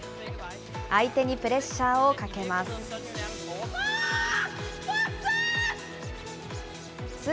相手にプレッシャーをかけます。